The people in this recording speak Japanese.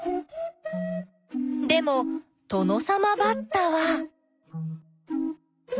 でもトノサマバッタは。